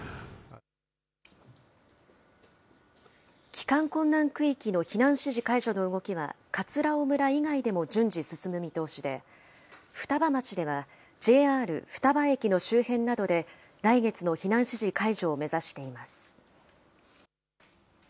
帰還困難区域の避難指示解除の動きは、葛尾村以外でも順次、進む見通しで、双葉町では、ＪＲ双葉駅の周辺などで、来月の避難指示解除を目指しています。